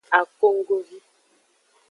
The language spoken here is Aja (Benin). Akonggovi.